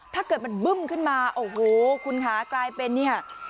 ถ้าเกิดมันบึ้มขึ้นมาโอ้โหคุณคะกลายเป็นเนี่ย